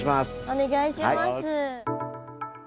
お願いします。